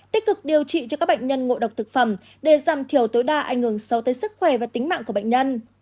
tích cực điều trị cho các bệnh nhân ngộ độc thực phẩm để giảm thiểu tối đa ảnh hưởng sâu tới sức khỏe và tính mạng của bệnh nhân